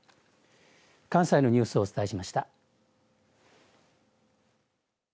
関西のニュースをお伝えしました。